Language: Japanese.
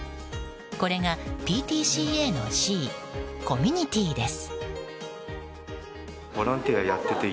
これがＰＴＣＡのＣコミュニティーです。